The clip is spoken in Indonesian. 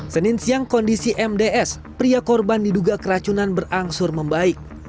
senin siang kondisi mds pria korban diduga keracunan berangsur membaik